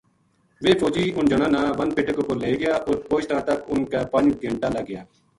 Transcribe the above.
ویہ فوجی اِنھ جنا نا ون پِٹک پو لے گیا اُت پوہچتاں تک اِنھ کا پنج گھینٹا لگ گیا